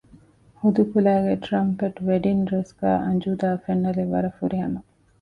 ހުދުކުލައިގެ ޓްރަންޕެޓް ވެޑިންގ ޑްރެސް ގައި އަންޖޫދާ ފެންނަލެއް ވަރަށް ފުރިހަމަ